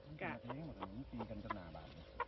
อันนั้นตัวที่ว่าเป็นผีเท้า